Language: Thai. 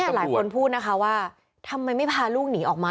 หลายคนพูดนะคะว่าทำไมไม่พาลูกหนีออกมา